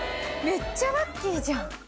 めっちゃラッキーじゃん。